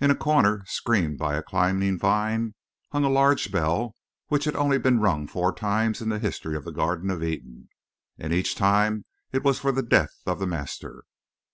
In a corner, screened by a climbing vine, hung a large bell which had only been rung four times in the history of the Garden of Eden, and each time it was for the death of the master.